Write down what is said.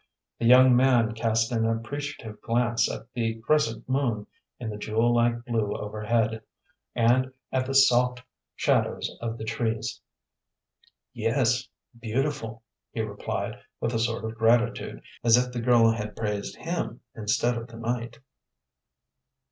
The young man cast an appreciative glance at the crescent moon in the jewel like blue overhead, and at the soft shadows of the trees. "Yes, beautiful," he replied, with a sort of gratitude, as if the girl had praised him instead of the night.